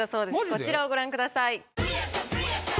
こちらをご覧ください。